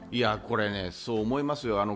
そう思いますよ。